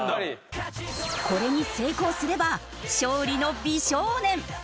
これに成功すれば勝利の美少年。